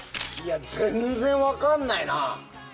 全然分かんないな。